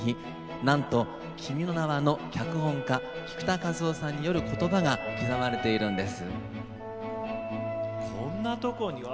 なんと「君の名は」の脚本家菊田一夫さんによることばが刻まれています。